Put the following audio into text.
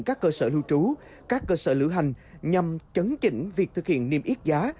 các cơ sở lưu trú các cơ sở lưu hành nhằm chấn chỉnh việc thực hiện niềm ít giá